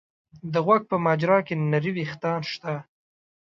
د غوږ په مجرا کې نري وېښتان شته.